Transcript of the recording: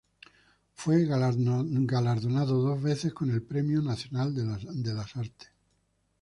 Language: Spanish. Fue galardonado dos veces con el Premio Nacional de la Artes.